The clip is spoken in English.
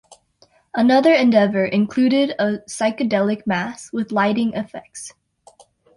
Another endeavor included a psychedelic Mass with lighting effects.